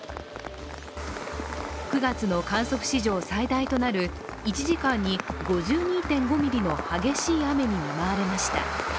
９月の観測史上最大となる１時間に５２．５ミリの激しい雨に見舞われました。